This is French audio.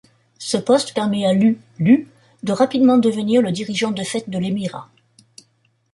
Ce poste permet à Lu'lu' de rapidement devenir le dirigeant de fait de l'émirat.